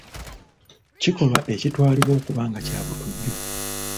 Kikolwa ekitwalibwa okuba nga kyabutujju.